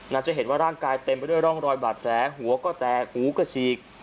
จะเห็นว่าร่างกายเต็มไปด้วยร่องรอยบาดแผลหัวก็แตกหูก็ฉีก